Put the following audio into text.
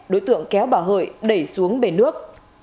đối tượng kéo bà hợi đẩy xuống bể nước